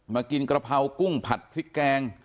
มากินกะเพรากุ้งผัดพริกแกง